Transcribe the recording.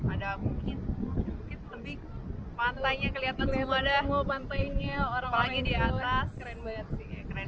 ada mungkin tebing pantainya kelihatan semuanya